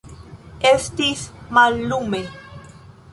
Estis mallume.